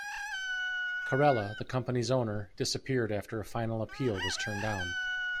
Carella, the company's owner, disappeared after a final appeal was turned down.